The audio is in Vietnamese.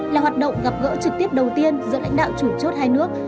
là hoạt động gặp gỡ trực tiếp đầu tiên giữa lãnh đạo chủ chốt hai nước